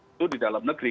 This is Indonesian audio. itu di dalam negeri